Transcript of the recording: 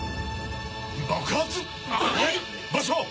爆発⁉場所は？